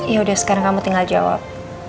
yaudah sekarang kamu tinggal jawab